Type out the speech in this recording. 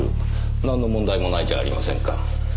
なんの問題もないじゃありませんか。